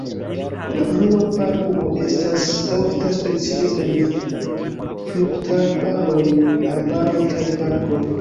La blua paruo estas ofta specio en fruktarbaroj, arbaroj kaj parkoj.